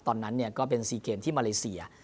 ตอนนั้นก็เป็น๔เกมที่มาเลเซีย